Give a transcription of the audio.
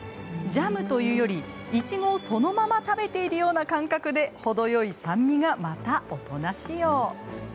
ジャムというよりいちごをそのまま食べているような感覚で程よい酸味がまた大人仕様。